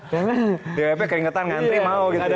karena dwp keringetan ngantri mau gitu ya